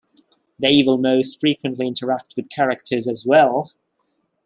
They will most frequently interact with characters as well.